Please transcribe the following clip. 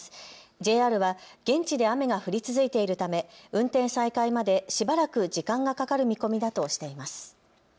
ＪＲは現地で雨が降り続いているため運転再開までしばらく時間がかかる見込みだとしています。